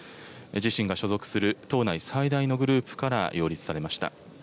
自身が所属する党内最大のグループから擁立されました。